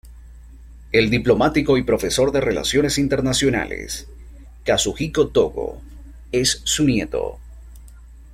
El diplomático y profesor de relaciones internacionales Kazuhiko Tōgō es su nieto.